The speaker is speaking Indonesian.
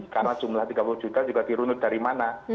karena jumlah tiga puluh juta juga dirundut dari mana